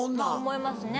思いますね。